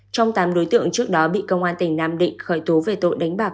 trong tám đối tượng trước đó bị công an tỉnh nam định khởi tố về tội đánh bạc